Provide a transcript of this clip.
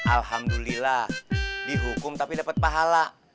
alhamdulillah dihukum tapi dapat pahala